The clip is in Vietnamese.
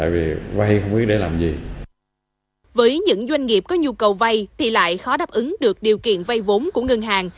với những doanh nghiệp có nhu cầu vay thì lại khó đáp ứng được điều kiện vay vốn của ngân hàng